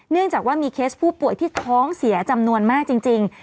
เนื่องจากว่ามีเคสผู้ป่วยที่ท้องเสียจำนวนมากจริง